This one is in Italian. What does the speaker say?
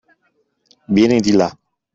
Vieni di là.